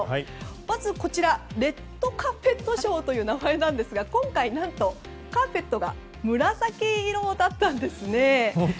まずこちらレッドカーペットショーという名前なんですが今回何とカーペットが紫色だったんですね。